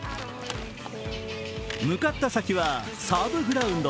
向かった先はサブグランド。